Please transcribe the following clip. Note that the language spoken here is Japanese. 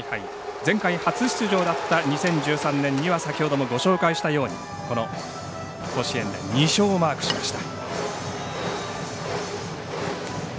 前回初出場だった２０１３年には先ほどもご紹介したようにこの甲子園で２勝をマークしました。